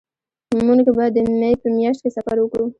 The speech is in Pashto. مونږ به د مې په میاشت کې سفر وکړو